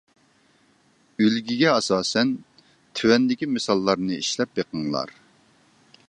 ئۈلگىگە ئاساسەن تۆۋەندىكى مىساللارنى ئىشلەپ بېقىڭلار.